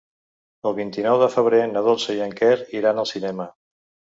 El vint-i-nou de febrer na Dolça i en Quer iran al cinema.